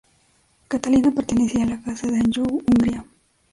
Catalina pertenecía a la Casa de Anjou-Hungría.